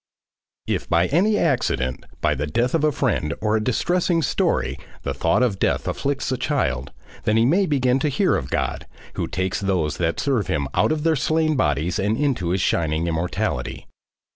If by any accident, by the death of a friend or a distressing story, the thought of death afflicts a child, then he may begin to hear of God, who takes those that serve him out of their slain bodies into his shining immortality.